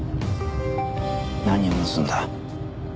何を盗んだ？